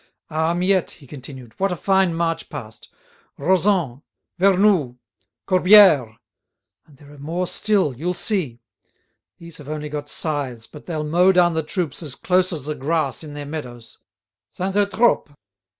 "Ah! Miette," he continued, "what a fine march past! Rozan! Vernoux! Corbière! And there are more still, you'll see. These have only got scythes, but they'll mow down the troops as close as the grass in their meadows—Saint Eutrope!